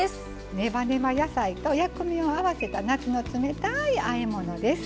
ねばねば野菜と薬味を合わせた夏の冷たいあえ物です。